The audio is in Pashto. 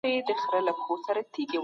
سوسیالیزم به هیڅکله بشپړ بریالی نسي.